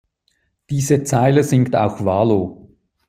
Diese Zeile singt auch Valo.